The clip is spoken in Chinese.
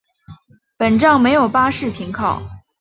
本站没有巴士停靠。